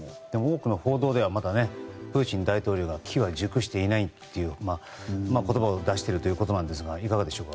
でも多くの報道ではプーチン大統領が機は熟していないという言葉を出しているということです。